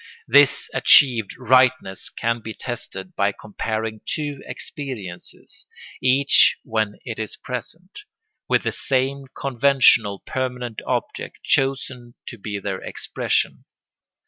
This achieved rightness can be tested by comparing two experiences, each when it is present, with the same conventional permanent object chosen to be their expression.